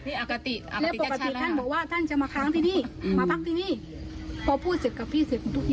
นี่อากาศติอากาศติจัดชาติแล้ว